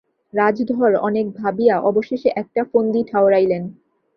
রাজধর অনেক ভাবিয়া অবশেষে একটা ফন্দি ঠাওরাইলেন।